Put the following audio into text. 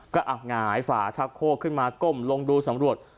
ก็หงายฝ่าชักโคกขึ้นมาก้มลงดูสำรวจ